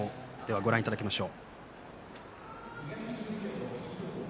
ご覧いただきましょう。